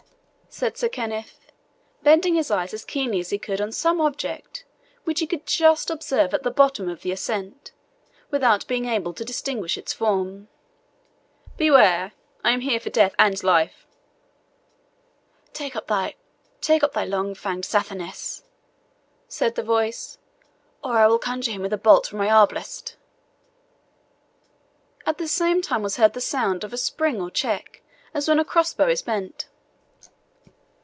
said Sir Kenneth, bending his eyes as keenly as he could on some object, which he could just observe at the bottom of the ascent, without being able to distinguish its form. "Beware I am here for death and life." "Take up thy long fanged Sathanas," said the voice, "or I will conjure him with a bolt from my arblast." At the same time was heard the sound of a spring or check, as when a crossbow is bent.